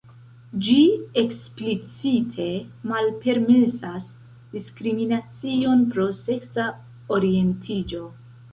Ĝi eksplicite malpermesas diskriminacion pro seksa orientiĝo.